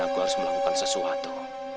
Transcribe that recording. aku harus melakukan sesuatu